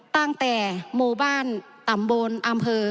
ตั้งแต่หมู่บ้านตำบลอำเภอ